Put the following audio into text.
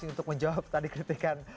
saya mau menjawab tadi kritikan